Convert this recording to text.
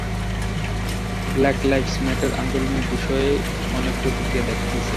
Black lives matter আন্দোলনের বিষয়ে অনেক প্রতিক্রিয়া দেখা গেছে।